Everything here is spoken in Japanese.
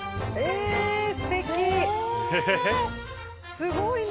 すごいね。